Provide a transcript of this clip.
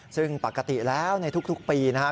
ซึ่งปกติแล้วในทุกปีนะครับ